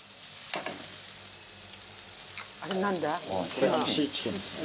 これシーチキンですね。